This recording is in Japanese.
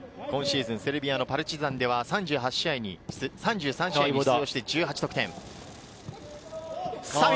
セルビアのパルチザンでは３３試合に出場して１８得点。